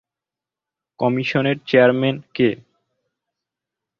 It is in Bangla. কমিশনের চেয়ারম্যান কে?